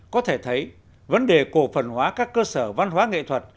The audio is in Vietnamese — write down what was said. có thể thấy vấn đề cổ phần hóa các cơ sở văn hóa nghệ thuật